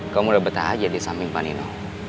kamu udah betah aja di samping panino